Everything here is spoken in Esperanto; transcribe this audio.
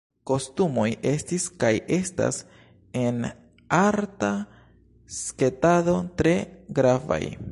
Kostumoj estis kaj estas en arta sketado tre gravaj.